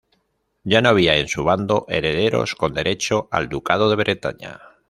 Ya no había en su bando herederos con derecho al ducado de Bretaña.